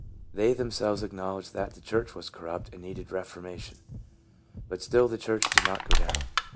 They themselves acknowledged that the church was corrupt and needed reformation. But still the church did not go down.